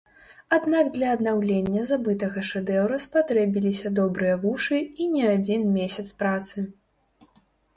Аднак для аднаўлення забытага шэдэўра спатрэбіліся добрыя вушы і не адзін месяц працы.